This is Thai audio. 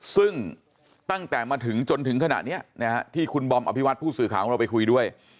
ซึ่งตั้งแต่มาถึงจนถึงขณะนี้ที่คุณบอมอภิวัตผู้สื่อข่าวของเราไปคุยด้วย